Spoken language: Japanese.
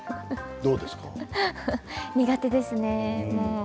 苦手ですね。